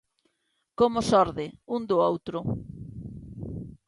Como xorde un do outro?